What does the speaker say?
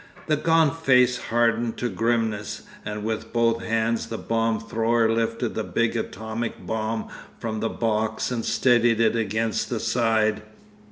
The gaunt face hardened to grimness, and with both hands the bomb thrower lifted the big atomic bomb from the box and steadied it against the side.